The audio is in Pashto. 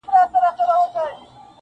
د بېلتون غم مي پر زړه باندي چاپېر سو-